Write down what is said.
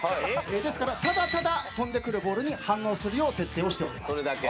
ですからただただ飛んでくるボールに反応するよう設定をしております。